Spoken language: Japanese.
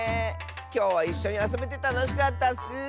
きょうはいっしょにあそべてたのしかったッス！